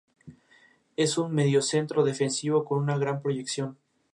En particular, es la única ecuación con la propiedad.